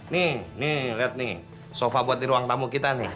nih nih lihat nih sofa buat di ruang tamu kita nih